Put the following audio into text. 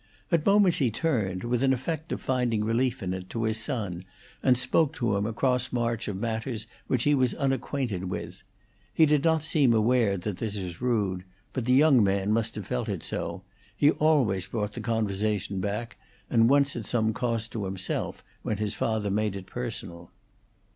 At moments he turned, with an effect of finding relief in it, to his son and spoke to him across March of matters which he was unacquainted with; he did not seem aware that this was rude, but the young man must have felt it so; he always brought the conversation back, and once at some cost to himself when his father made it personal.